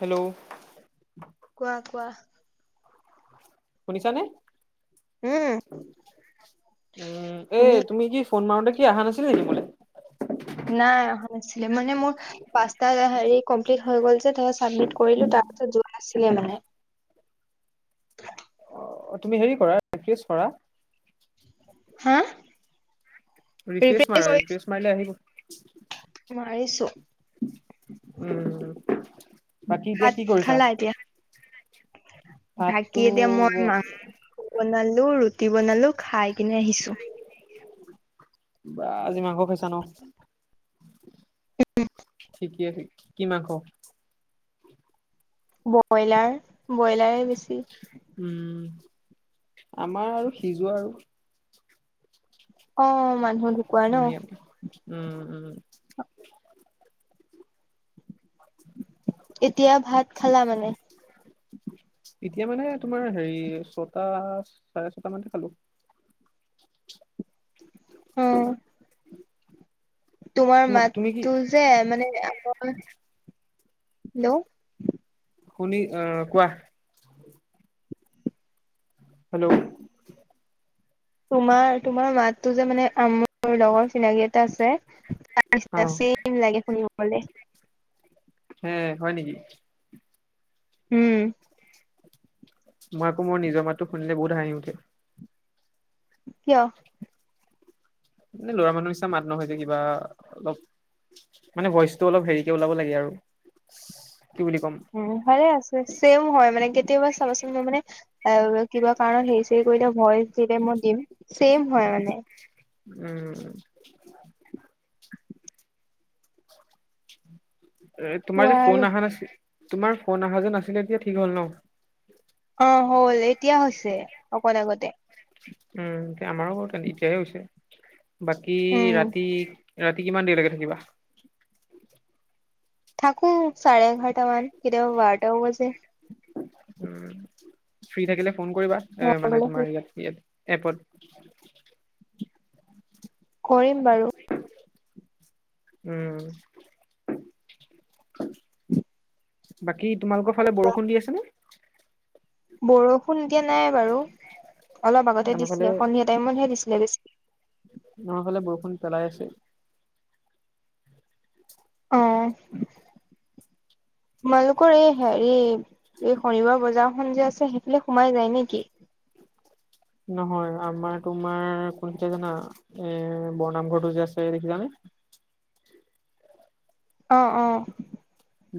Hello কোৱা কোৱা শুনিছানে উম উম এ শুনি তুমি কি ফোন মাৰোতে কি আহা নাছিলি নেকি মোলে নাই অহা নাছিলে মানে মোৰ পাঁচটা হেৰি কমপ্লিট হৈ গল যেতাপিছত চাবমিট কৰিলো তাৰপিছত যোৱা আছিলে মানে অ তুমি হেৰি কৰা ৰিকুৱেষ্ট কৰা হা ৰিফ্ৰেছ মাৰা ৰিফ্ৰেছ মাৰিলে আহিব মই আহিছোঁ উম বাকী এতিয়া ভাত কি কৰিছা খালা এতিয়া? বাকী ভাতটো এতিয়া মই মাংস বনালো ৰুটি বনালো খাই কিনে আহিছো বা আজি মাংস খাইছা ন? ঠিকে কি মাংস ব্ৰইলাৰ ব্ৰইলাৰে বেছি। উম আমাৰ আৰু সিজো আৰু অ মানুহ ঢুকোৱা ন [unintelligible] উম উম [unintelligible] এতিয়া ভাত খালা মানে? এতিয়া মানে তোমাৰ হেৰি ছটা চাৰে ছটা মানতে খালো। [inaudible] অ। তোমাৰ তুমি কি মাতটো যে মানে আমৱা হেল্ল' শুনি আহ কোৱা? হেল্ল' তোমাৰ তোমাৰ মাততো যে মানে মোৰ লগৰ চিনাকি এটা আছে, তা নিচিনা অ', ছে- [unintelligible] লাগে শুনিবলে। হে হয় নেকি? উম। মই আক মোৰ নিজৰ মাতো শুনিলে বহুত হাঁহি উঠে। কিয়? নে ল'ৰা মানুহ নিচিনা মাত নহয় যে কিবা অলপ মানে ভইচটো অলপ হেৰিকে ওলাব লাগে আৰু কি বুলি ক'ম উ ভালে আছে ছেম হয় মানে কেতিয়াবা চাবাচোন মই মানে এ কিবা কাৰণত সেই চেই কৰিলে ভইচ দিলে মই দিম। ছেম হয় মানে উম। এ তোমাৰ কোৱা যে আৰু ফোন অহা নাছিল তোমাৰ ফোন অহা যে নাছিলে এতিয়া ঠিক হ'ল ন? অ হল এতিয়া হৈছে অকণ আগতে। উম এয়া আমাৰো ক'ত এতিয়াহে হৈছে বাকী উম ৰাতি ৰাতি কিমান দেৰিলেকে থাকিবা। থাকো চাৰে এঘাৰটা মান কেতিয়াবা বাৰটাও বাজে। উম ফ্ৰী থাকিলে ফোন কৰিবা মই এ মানে গলে তোমাৰ ইয়াত ইয়াত এপত। কৰিম বাৰু। উম। বাকী তোমালোকৰ ফালে বৰষুণ দি আছে নে? বৰষুণ এতিয়া নাই বাৰু অলপ আগতে আমাৰ ফালে দিছিলে সন্ধিয়া টাইমতহে দিছিলে বেছি। আমাৰ ফালে বৰষুণ পেলাই আছে। অ তোমালোকৰ এ হেৰি এ শনিবাৰ বজাৰখন যে আছে সেইফালে সোমাই যায় নেকি? নহয় আমাৰ তোমাৰ কোন যে জানা এ বৰ নাম ঘৰটো যে আছে দেখিছানে? অ অ।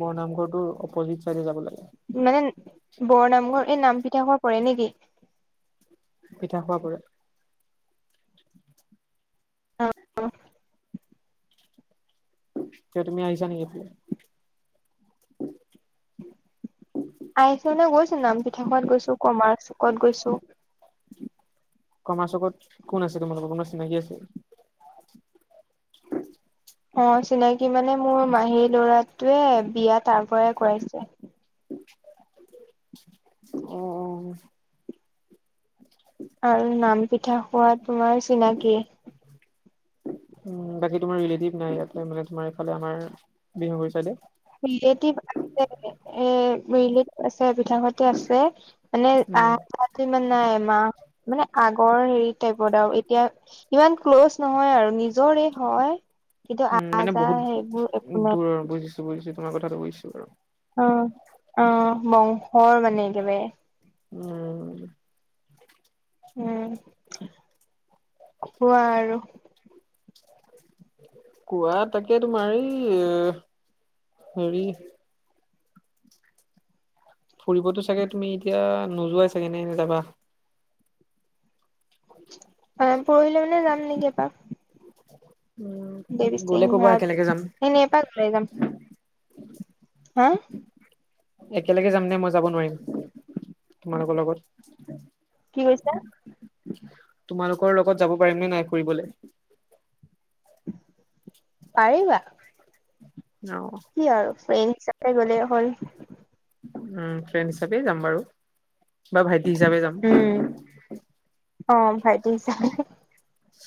বৰ নামঘৰটোৰ অপজিত চাইডে যাব লাগে। মানে বৰ নামঘৰ এই নাম পিঠা ঘৰ পৰে নেকি? পিঠা খোৱা পৰে। [unintelligible] কিয় তুমি আহিছা নেকি এইফালে? আহিছো মানে গৈছো নাম পিঠা ঘৰত গৈছো, কমাৰ চুকত গৈছো। কৰ্মা চকত কোন আছে তোমালোকৰ কোনোবা চিনাকি আছে। অ চিনাকি মানে মোৰ মাহীৰ লৰাটোৱে বিয়া তাৰ পৰাই কৰাইছে। অ অ [inaudible] আৰু নাম পিঠা খোৱা তোমাৰ চিনাকি [inaudible] উ বাকী তোমাৰ ৰিলেটিভ নাই ইয়াতে মানে তোমাৰ এইফালে আমাৰ বিহাগু চাইদে ৰিলেটিভ আছে এ ৰিলেটিভ আছে পিতহঁতে আছে মানে উম আহ ত ইমান নাই মাহ মানে আগৰ হেৰি টাইপত আৰু এতিয়া ইমান ক্ল'জ নহয় আৰু নিজৰে হয় কিন্তু উম আহ যাহ সেইবোৰ একো নাই বুজিছোঁ তোমাৰ কথাটো বুজিছোঁ বাৰু অ অ বংশৰ মানে একেবাৰে উম উম কোৱা আৰু কোৱা তাকে তোমাৰ এই হেৰি ফুৰিবতো চাগে তুমি এতিয়া নোযোৱাই চাগে নে এনে যাবা পৰহিলে মানে যাম নেকি এপাক উ দেৱী সিং গ'লে ক'বা ঘাট একেলগে যাম এনে এপাক ওলাই যাম। হা একেলগে যাম নে মই যাব নোৱাৰিম তোমালোকৰ লগত কি কৈছা তোমালোকৰ লগত যাব পাৰিম নে নাই ফুৰিবলৈ পাৰিবা অ কি আৰু ফ্ৰেণ্ড হিচাপে গ'লে হল উম ফ্ৰেণ্ড হিচাপে যাম বাৰু বা ভাইটি হিচাপে যাম উম অ ভাইটি হিচাপে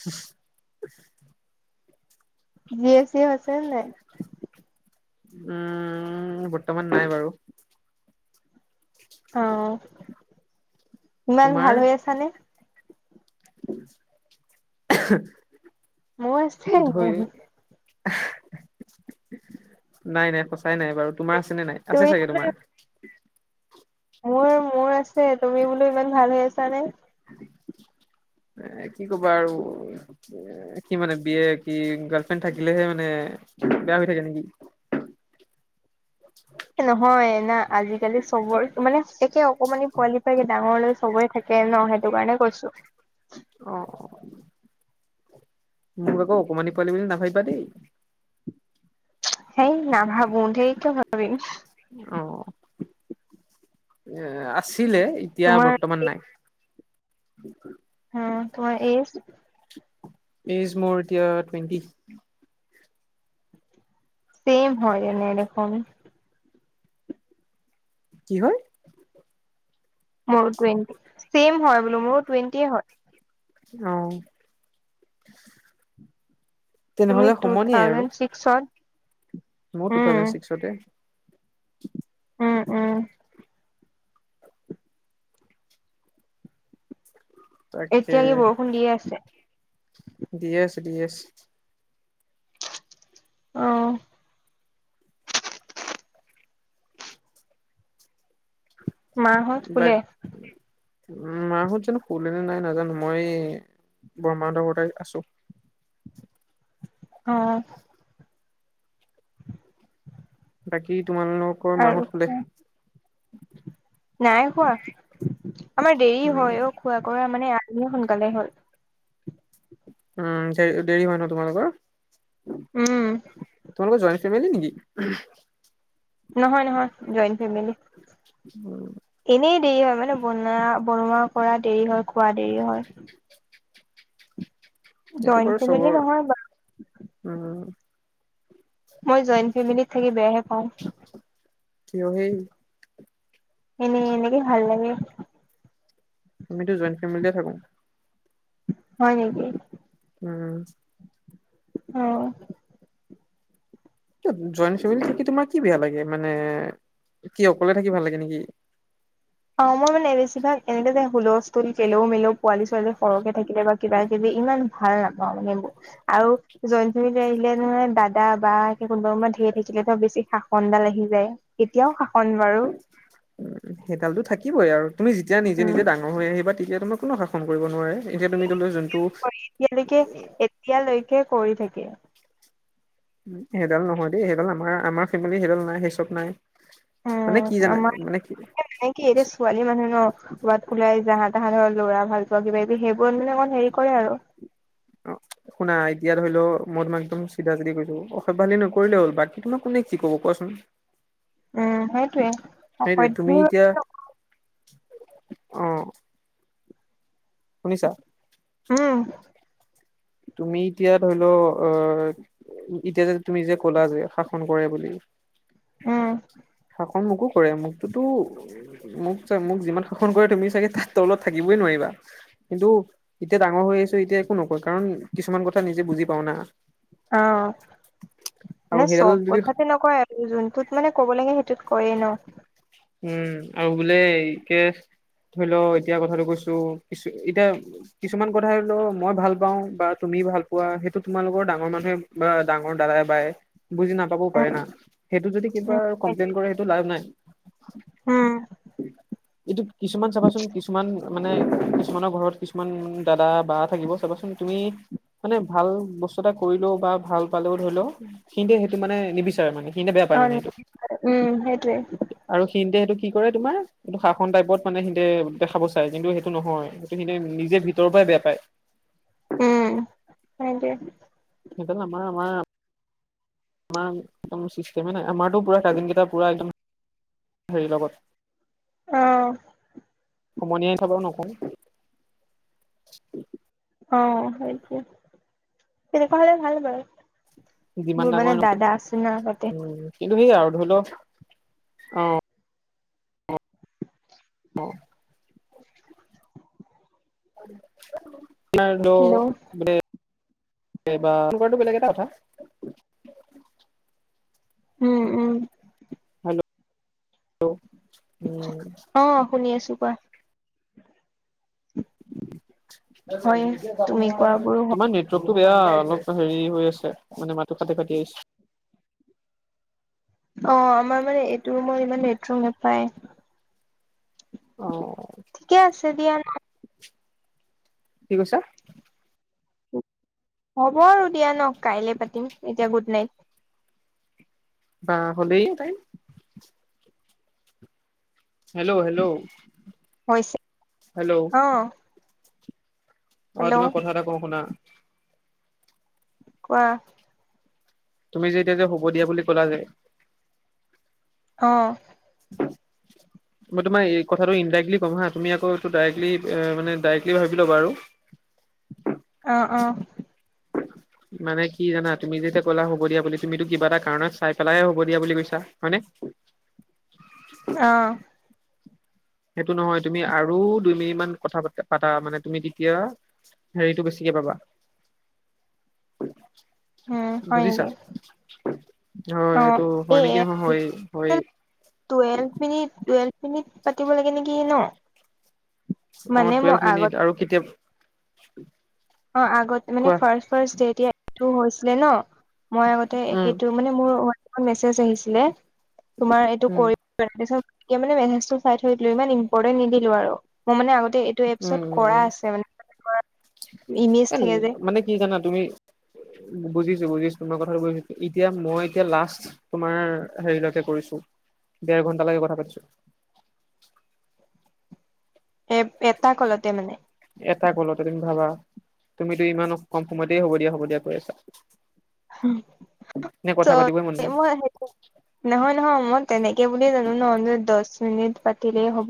উ [inaudible] জিয়েপ চিয়েপ আছে নে উম বৰ্তমান নাই বাৰু অ ইমান ভাল তোমাৰ হৈ আছানে মোৰ আছে ধই নাই নাই সঁচাই নাই বাৰু তোমাৰ আছে নে নাই আছে তুমি চাগে তোমাৰ। মোৰ মোৰ আছে তুমি বোলো ইমান ভাল হৈ আছা নে? এ কি কবা আৰু এ কি মানে বিয় কি গাৰ্লফ্ৰেণ্ড থাকিলেহে মানে বেয়া হৈ থাকে নেকি নহয় না আজিকালি চবৰে মানে একে অকমানি পোৱালি ফে ডাঙৰলৈ চবৰে থাকে। ত ন সেইটো কাৰণে কৈছো অ মোৰ আক অকমানি পালি বুলি নাভাবিবা দেই। সেই না ভাবো ধেই কিয় ভাবিম অ এ আছিলে এতিয়া তোমাৰ বৰ্তমান নাই। উম তোমাৰ এজ। এইজ মোৰ এতিয়া টুৱেণ্টি। চেম হয় তেনে দেখোন। কি হয়। মোৰো টুৱেণ্টি ছেম হয় বোলো মোৰো টুৱেণ্টিয়ে হয়। অ তেনেহলে সমনীয়াই আৰু। চত। মোৰ টু থাউজেণ্ড ছিক্সতে। উম উম। তাকে এতিয়া কি বৰষুণ দিয়ে আছে। দিয়ে আছে দিয়ে আছে। অ। মাহত ব। শুলে [unintelligible] উ মাহত জানো হুলেনে নাই নাজানো মই এই বৰ্মা হেত ঘৰতে আছো। অ। বাকী তোমালোকৰ আৰু মাহত হোলে। নাই হোৱা আমাৰ দেৰি উম হয় অ খোৱা কৰা মানে আজি হে সোনকালে হ'ল। উম দে দেৰি হয় ন তোমালোকৰ। উম তোমালোকৰ জইন ফেমিলি নেকি। নহয় নহয় জইণ ফেমিলি। উম। এনেই দেৰি হয়, মানে বনা বনোৱা কৰা দেৰি হয় খোৱা দেৰি হয়। [unintelligible] এইটো জইণ্ট বাৰু ফেমিলি চবৰ নহয় উম। মই জইণ ফেমিলিত থাকি বেয়াহে পাওঁ। কিয় হেই। এনেই, এনেকে ভাল লাগে। আমিতো জইণ ফেমিলিয়ে থাকো। হয় নেকি। উম। অ'। কিয় জইণ ফেচিলিটো কি তোমাৰ কি বেয়া লাগে, মানে কি অকলে থাকি ভাল লাগে নেকি। অ' মই মানে বেছিভাগ এনেকে যে হুলস্থুল কেলেও মেলেও পোৱালী ছোৱালী সৰহকে থাকিলে বা। কিবা কিবি ইমান ভাল নাপাওঁ মানে এইবোৰ আৰু। জইন ফেমিলী আহিলে নহয় দাদা বা কোনোবা কোনোবা ধেৰ থাকিলে ত বেছি শাসনডাল আহি যায়। এতিয়াও শাসন বাৰু। উম, সেইডালতো থাকিবই আৰু তুমি যেতিয়া নিজে, উম নিজে ডাঙৰ হৈ আহিবা তেতিয়া তোমাক। কোনো শাসন কৰিব নোৱাৰে এতিয়া তুমি [inaudible] যোনটো। অ এতিয়ালৈকে, এতিয়ালৈকে কৰি থাকে। উম সেইডাল নহয় দেই সেইডাল আমাৰ আমাৰ ফেমিলি সেইডাল নাই সেই চব নাই। মানে উম কি জানা, আমাৰ মানে কি। মানে কি এতিয়া ছোৱালী মানুহ ন। ক'ৰবাত ওলাই যাহা তাহা ধৰ লৰা ভাল পোৱা কিবা কিবি সেইবোৰত মানে অকণমান হেৰি কৰে আৰু। অ'। শুনা, এতিয়া ধৰি লওঁ মই এতিয়া তোমাক একদম চিধাচিধি কৈছোঁ অসভ্যালি নকৰিলেই হ'ল বাকী তোমাক কোনে কি ক'ব কোৱাচোন। উম সেইটোৱে সেইটোৱেই তুমি সকলোবোৰ এতিয়া অ' শুনিছা উম তুমি এতিয়া ধৰি লও অ এতিয়া যে তুমি যে ক'লা যে শাসন কৰে বুলি উম খং মোকো কৰে মোকতোটো মোক চাই মোক যিমান শাসন কৰে তুমি চাগে তাৰ তলত থাকিবই নোৱাৰিবা কিন্তু এতিয়া ডাঙৰ হৈ আহিছো এতিয়া একো নকয়, কাৰণ কিছুমান কথা নিজে বুজি পাও না অ' আৰু নে সেইডাল চব যদি কথাতে ন কয়, আৰু যোনটোত মানে ক'ব লাগে সেইটোত কৈয়েই ন উম আৰু বোলে এই কে ধৰি লও এতিয়া কথাটো কৈছো, কিছু এতিয়া কিছুমান কথাতে তও মই ভাল পাও বা তুমি ভাল পোৱা সেইটো তোমালোকৰ ডাঙৰ মানুহে বা ডাঙৰ দাদাই বায়ে বুজি নাপাবও পাৰে না সেইটো যদি উম উম কিবা সেইটোৱে কমপ্লেইন কৰে সেইটো লাভ নাই উম এইটো কিছুমান চাবাচোন, কিছুমান মানে কিছুমানৰ ঘৰত কিছুমান দাদা বা থাকিব চাবাচোন তুমি মানে ভাল বস্তু এটা কৰিলেও বা ভাল পালেও ধৰি লও সিহঁতে সেইটো মানে নিবিচাৰে মানে সিহঁতে বেয়া পায় মানে অ' সেইটো উম সেইটোৱেই আৰু সিহঁতে সেইটো কি কৰে তোমাৰ এইটো শাসন টাইপত মানে সিহঁতে দেখাব চায়, কিন্তু সেইটো নহয় সেইটো সিহঁতে নিজে ভিতৰৰ পৰাই বেয়া পায় উম সেইটোৱে সেইটো আমাৰ আমাৰ আমাৰ একদম চিষ্টেমে নাই আমাৰতো পুৰা কাজেন কেইটা পুৰা একদম হেৰি লগত অ'। সোমনিয়াই থাকে নকও অ' সেইটোৱে, তেনেকোৱা হ'লে ভাল বাৰু। যিমান মোৰ মানে ডাঙৰে নকওঁ দাদা আছে হা আগতে কিন্তু সেই আৰু ধৰি ল অ'। [unintelligible] অ সেইটো হেল্ল' এইবাৰ তোমাৰতো বেলেগ এটা কথা। উম, উম। ধৰি লও উম অ' শুনি আছো কোৱা। তোমাৰ হয় নি তুমি কোৱাবোৰো হয় নেটৱৰ্কটো বেয়া অলপ হেৰি হৈ আছে মানে মাতটো ফাটি ফাটি আহিছে। অ' আমাৰ মানে এইটো ৰুমত ইমান নেটৱৰ্ক নাপায়। অ'। ঠিকে আছে দিয়া। কি কৈছা। হ'ব আৰু দিয়া ন' কাইলে পাতিম এতিয়া গুড নাইট। বা হ'লেই নে হেল্ল হেল্ল হৈছে হেল্ল'। অ অ' হেল্ল' তোমাক কথা এটা কওঁ, শুনা। কোৱা, তুমি যে এতিয়া যে শুব দিয়া বুলি ক'লা যে। অ', মই তোমাৰ এইকথাটো ইনডাইৰেক্টলি ক'ম হা, তুমি আকৌ ডাইৰেক্টলি মানে ডাইৰেক্টলি ভাবি ল'বা আৰু। অ', অ'। মানে কি জানা, তুমি যে এতিয়া ক'লা হ'ব দিয়া বুলি তুমিতো কিবা এটা কাৰণত চাই-পেলাইহে হ'ব দিয়া বুলি কৈছা, হয়নে? অ', সেইটো নহয়, তুমি আৰু দুই মিনিট মান কথা পা-পাতা মানে, তুমি তেতিয়া হেৰিটো বেছিকে পাবা। উম হয় বুজিছা, নেকি হয় অ এইটো হয় এই নেকি? নহয় হৈয়ে হৈয়ে। টুৱেলভ মিনিট, টুৱেলভ মিনিট পাতিব লাগে নেকি ন'? অ' মানে মই টুৱেলভ আগত মিনিট, আৰু কেতিয়া অ' আগত মানে, কোৱা ফাৰ্ষ্ট ফাৰ্ষ্ট যেতিয়া এইটো হৈছিলে ন', মই আগতে উম সেইটো মানে মোৰ ৱাটছপত মেছেজ আহিছিলে, তোমাৰ এইটো উম কৰি তাৰ পাছত তেতিয়া মানে মেছেজটো চাই থৈ দিলো, ইমান ইম্পৰ্টেণ্ট নিদিলো আৰু। মই মানে আগতে এইটো এপছত কৰা আছে মানে। ইমেজ এ, থাকে যে মানে কি জানা তুমি? বুজিছোঁ বুজিছোঁ, মই কথাটো বুজিছোঁ, এতিয়া মই এতিয়া লাষ্ট তোমাৰ হেৰিলৈকে কৰিছোঁ, ডেৰ-ঘণ্টা লৈকে কথা পাতিছো। এ, এটা ক'লতে মানে? এটা ক'লতে তুমি ভাবা। তুমিতো ইমান কম সময়তেই হ'ব দিয়া, হ'ব দিয়া কৈ আছা। নে কথা পাতিবই মন নাই [unintelligible] নহয় নহয়, মই তেনেকে বুলিয়ে জানো ন'-দহ মিনিট পাতিলেই হ'ব।